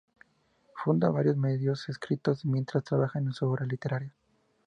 Funda varios medios escritos mientras trabaja en su Obra literaria.